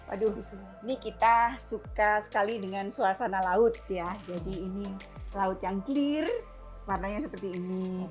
aduh ini kita suka sekali dengan suasana laut ya jadi ini laut yang clear warnanya seperti ini